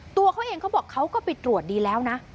ตัวเขาเองเขาบอกเขาก็ไปตรวจดีแล้วนะ